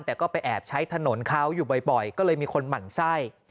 แต่ก็ไปแอบใช้ถนนเขาอยู่บ่อยก็เลยมีคนหมั่นไส้